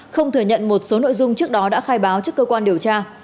không thừa nhận một số nội dung trước đó đã khai báo trước cơ quan điều tra